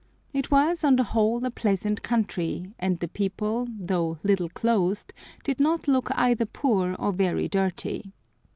It was, on the whole, a pleasant country, and the people, though little clothed, did not look either poor or very dirty.